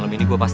gak ada apa apa